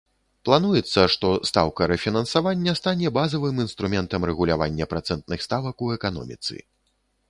Плануецца, што стаўка рэфінансавання стане базавым інструментам рэгулявання працэнтных ставак у эканоміцы.